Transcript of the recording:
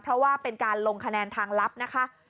เพราะว่าเป็นการลงคะแนนทางลับนะคะ